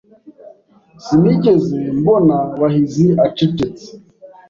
Sinigeze mbona Bahizi acecetse.